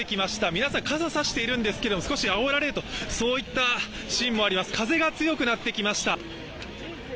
皆さん傘を差しているんですが少しあおられるといったシーンもあります、風が強くなってきました。